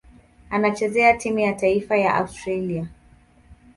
Anachezea timu ya taifa ya Australia.